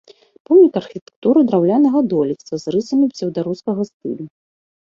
Помнік архітэктуры драўлянага дойлідства з рысамі псеўдарускага стылю.